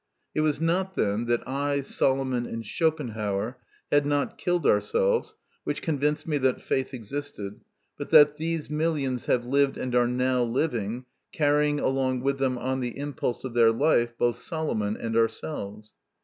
It was not, then, that I, Solomon, and Schopenhauer had not killed ourselves, which convinced me that faith existed, but that these millions have lived and are now living, carrying along with them on the impulse of their life both Solomon and ourselves.